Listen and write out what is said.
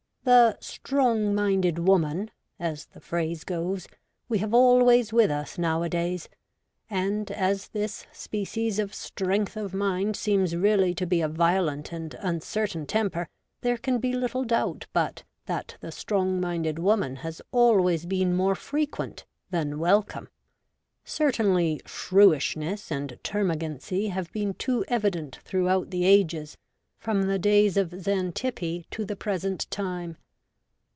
THE 'strong minded woman,' as the phrase goes, we have always with us nowadays ; and as this species of strength of mind seems really to be a violent and uncertain temper, there can be little doubt but that the strong minded woman has always been more frequent than welcome. Certainly shrewishness and termagancy have been too evident throughout the ages, from the days of Xanthippe to the present time.